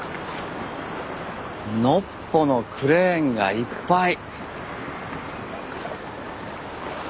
のっぽのクレーンがいっぱい。